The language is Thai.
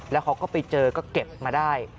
แล้วเขาก็ไปเจอก็เก็บมาได้